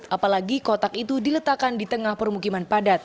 apalagi kotak itu diletakkan di tengah permukiman padat